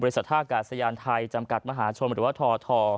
บริษัทท่ากัดสะยานไทยจำกัดมหาชมหรือว่าทอทอ